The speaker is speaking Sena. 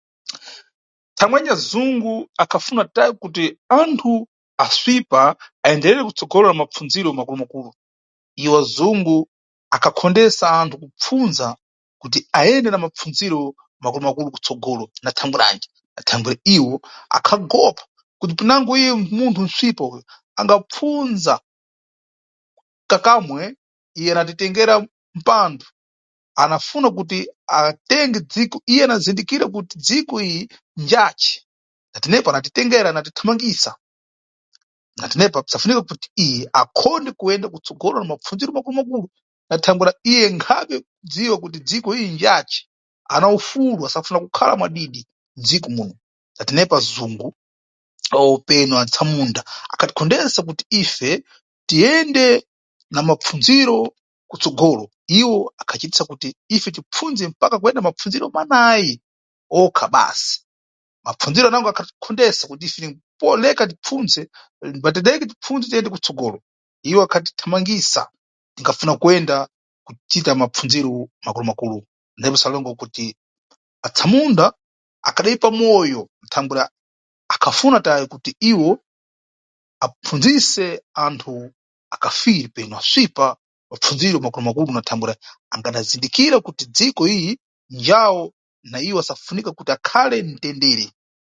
Thangweyanji azungu akhafuna tayi kuti anthu apsipa ayenderere kutsogolo makumakulu? Iwo azungu akhakhondesa anthu kupfundza kuti ayende na mapfundziro makulumakulu kutsogolo na thangweranji? Na thangwera iwo akhagopa kuti pinango iye munthu svipa uyu angapfundza kakamwe, iye anatitengera mpando, anafuna kuti atenge dziko, iye anazindilira kuti dziko iyi njace natenepa anatitengera, anatithamangisa. Natenepa pisafunika kuti iye akhonde kuyenda kutsogolo na mapfundziro makulumakulu. Na thangwera iye khabe kudziwa dziko iyi njace. Ana ufulu , asafuna kukhala mwadidi m'dziko muno. Natenepa azungu penu atsamunda akhatikhondesa kuti ife tiyende na mapfundziro kutsogolo. Iwo akhacitisa kuti ife tipfundze mpaka kuyenda mapfundziro manayi okha basi. Mapfundziro anango akhatikhondesa kuti ife leka pfundze, mbatileke kupfundze kuti tiyende kutsogolo. Iwo akhatithamangisa tingafuna kuyenda kucita mapfundziro makulumakulu. Natenepa, pasalongwa kuti atsamunda akhadayipa moyo thangwera akhafuna tayi kuti iwo apfundzise anthu akafiri penu apsipa mapfundziro makulumakulu, thangwera angadazindikira kuti dziko iyi njawo na iwo asafunika kuti akhale ntendere.